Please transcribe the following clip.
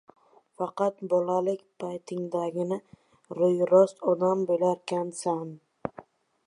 Faqat bolalik paytingdagina ro‘yi rost odam bo‘larkansan.